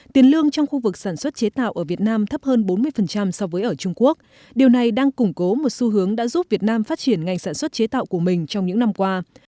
tiền lương trong khu vực sản xuất chế tạo ở việt nam thấp hơn bốn mươi so với ở trung quốc điều này đang củng cố một xu hướng đã giúp việt nam phát triển ngành sản xuất chế tạo của mình trong những năm qua